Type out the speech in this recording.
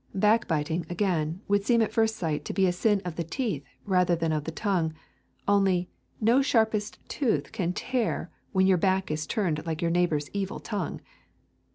Backbiting, again, would seem at first sight to be a sin of the teeth rather than of the tongue, only, no sharpest tooth can tear you when your back is turned like your neighbour's evil tongue.